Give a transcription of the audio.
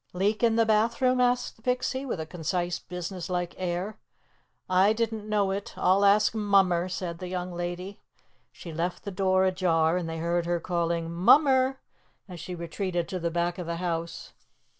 "Leak in the bathroom?" asked the Pixie, with a concise, business like air. "I didn't know it. I'll ask Mummer," said the young lady. She left the door ajar, and they heard her calling, "Mummer!" as she retreated to the back of the house.